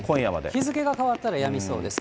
日付が変わったらやみそうです。